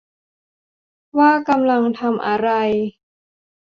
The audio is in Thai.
ว่ากำลังทำอะไร